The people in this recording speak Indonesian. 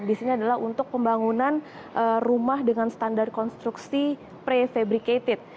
di sini adalah untuk pembangunan rumah dengan standar konstruksi pre febricated